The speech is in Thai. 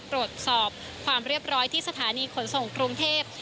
ตรวจสอบความเรียบร้อยที่สถานีขนส่งกรุงเทพ